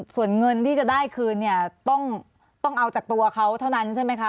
ส่วนเงินที่จะได้คืนเนี่ยต้องเอาจากตัวเขาเท่านั้นใช่ไหมคะ